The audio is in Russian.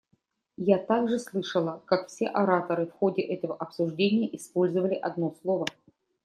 Я также слышала, как все ораторы в ходе этого обсуждения использовали одно слово.